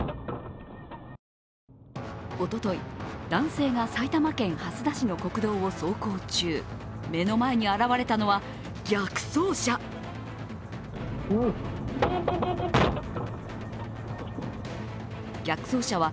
おととい、男性が埼玉県蓮田市の国道を走行中目の前に現れたのは、逆走車。